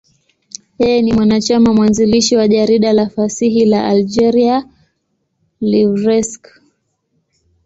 Yeye ni mwanachama mwanzilishi wa jarida la fasihi la Algeria, L'Ivrescq.